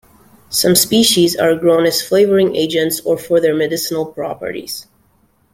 Some species are grown as flavoring agents or for their medicinal properties.